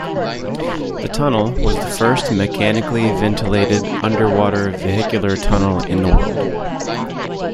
The tunnel was the first mechanically ventilated underwater vehicular tunnel in the world.